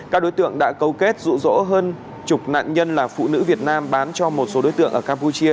các đối tượng đã câu kết rụ rỗ hơn chục nạn nhân là phụ nữ việt nam bán cho một số đối tượng ở campuchia